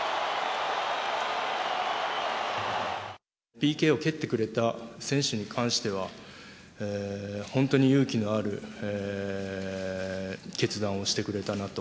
ＰＫを蹴ってくれた選手に関しては、本当に勇気のある決断をしてくれたなと。